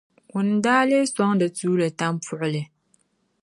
ŋuni n-daa lee sɔŋ di tuuli tampuɣili?